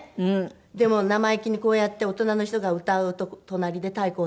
でも生意気にこうやって大人の人が歌う隣で太鼓をたたいて。